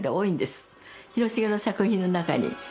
広重の作品の中に。